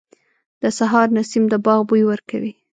• د سهار نسیم د باغ بوی ورکوي.